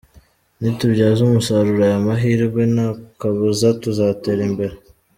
Nitubyaza umusaruro aya mahirwe nta kabuza tuzatera imbere.